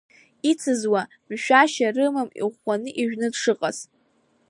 Ицызжәуаз мҳәашьа рымам иӷәӷәаны ижәны дшыҟаз…